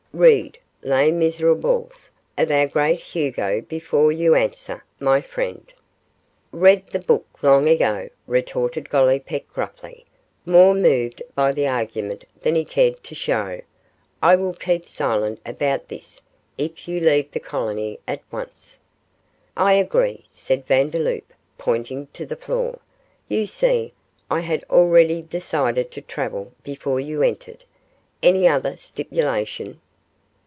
Read "Les Miserables" of our great Hugo before you answer, my friend.' 'Read the book long ago,' retorted Gollipeck, gruffly, more moved by the argument than he cared to show; 'I will keep silent about this if you leave the colony at once.' 'I agree,' said Vandeloup, pointing to the floor; 'you see I had already decided to travel before you entered. Any other stipulation?